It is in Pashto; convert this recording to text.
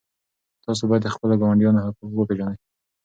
تاسو باید د خپلو ګاونډیانو حقوق وپېژنئ.